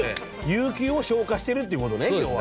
有給を消化してるっていう事ね今日は。